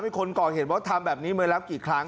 คนก่อเหตุว่าทำแบบนี้มาแล้วกี่ครั้ง